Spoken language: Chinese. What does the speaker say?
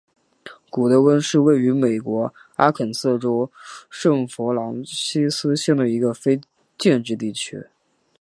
古得温是位于美国阿肯色州圣弗朗西斯县的一个非建制地区。